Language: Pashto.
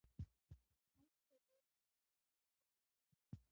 د خلکو ګډون د بدلون ځواک دی